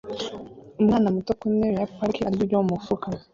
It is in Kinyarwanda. Umwana muto ku ntebe ya parike arya ibiryo mu mufuka